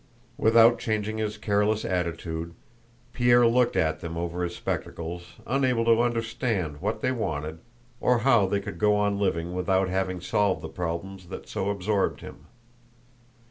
Without changing his careless attitude, Pierre looked at them over his spectacles unable to understand what they wanted or how they could go on living without having solved the problems that so absorbed him.